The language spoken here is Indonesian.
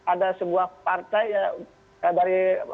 ada sebuah partai